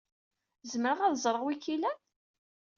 Zemreɣ ad ẓreɣ anwa ay k-ilan?